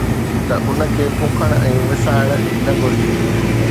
ته ان کي پوکڻ ۽ وسائڻ نه گهرجي